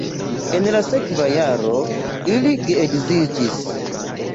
En la sekva jaro ili geedziĝis.